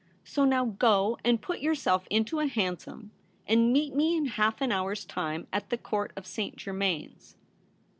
So now go and put yourself into a hansom and meet me in half an hour's time at the Court of St. Germains.'